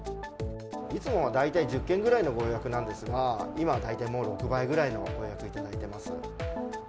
いつもは大体、１０件ぐらいのご予約なんですが、今は大体、もう６倍ぐらいのご予約をいただいてます。